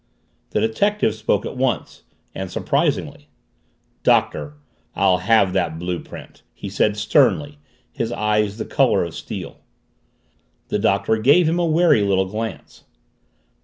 The detective spoke at once and surprisingly. "Doctor, I'll have that blue print!" he said sternly, his eyes the color of steel. The Doctor gave him a wary little glance.